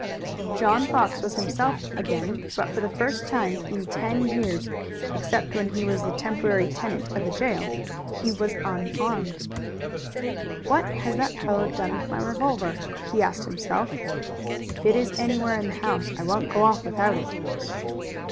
John Fox was himself again, but for the first time in ten years, except when he was the temporary tenant of a jail, he was unarmed. "What has that fellow done with my revolver?" he asked himself. "If it is anywhere in the house I won't go off without it."